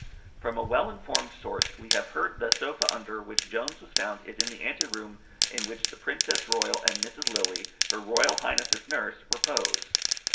From a well informed source, we have heard the sofa under which Jones was found is in the ante room in which the Princess Royal and Mrs. Lilley, her Royal Highness's nurse, repose.